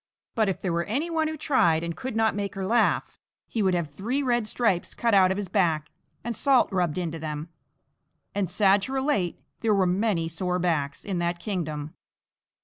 But if there were any one who tried and could not make her laugh, he would have three red stripes cut out of his back and salt rubbed into them and, sad to relate, there were many sore backs in that kingdom.